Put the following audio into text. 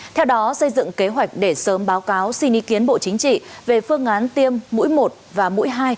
theo đó xây dựng kế hoạch để sớm báo cáo xin ý kiến bộ chính trị về phương án tiêm mũi một và mũi hai